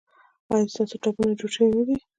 ایا ستاسو ټپونه جوړ شوي نه دي؟